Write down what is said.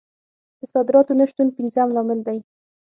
د صادراتو نه شتون پنځم لامل دی.